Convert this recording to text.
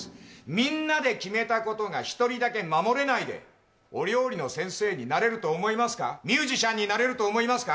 みんなで決めたことが１人だけ守れないでお料理の先生になれると思いますか、ミュージシャンになれると思います？